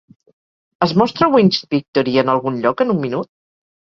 Es mostra Winged Victory en algun lloc en un minut?